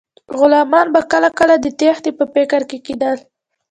غلامان به کله کله د تیښتې په فکر کې کیدل.